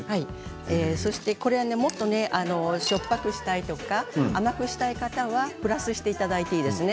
これもっとしょっぱくしたいとか甘くしたい方はプラスしていただいていいですね。